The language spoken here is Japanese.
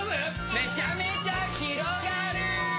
めちゃめちゃ広がる！